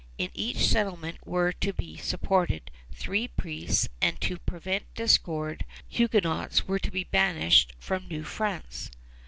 In each settlement were to be supported three priests; and, to prevent discord, Huguenots were to be banished from New France.